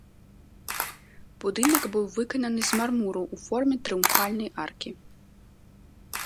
Будынак быў выкананы з мармуру ў форме трыумфальнай аркі.